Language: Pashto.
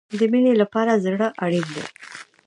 د مینې لپاره زړه اړین دی